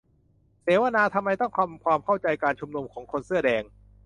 เสวนา : ทำไมต้องทำความเข้าใจการชุมนุมของคนเสื้อแดง